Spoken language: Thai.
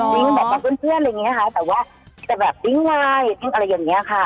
วิ่งแบบเพื่อนอะไรอย่างนี้ค่ะแต่ว่าจะแบบวิ่งลายอะไรอย่างเงี้ยค่ะ